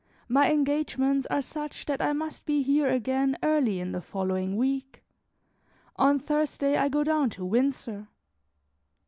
My engagements are such that I must be here again early in the following week. On Thursday I go down to Windsor.